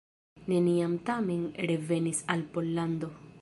Neniam tamen revenis al Pollando.